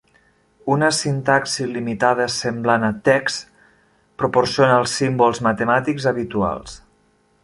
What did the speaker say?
Una sintaxi limitada semblant a TeX proporciona els símbols matemàtics habituals.